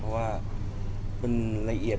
เพราะว่ามันละเอียด